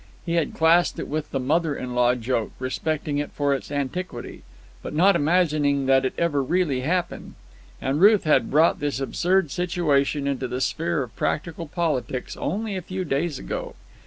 He had classed it with the mother in law joke, respecting it for its antiquity, but not imagining that it ever really happened. And Ruth had brought this absurd situation into the sphere of practical politics only a few days ago.